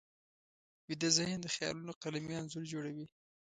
ویده ذهن د خیالونو قلمي انځور جوړوي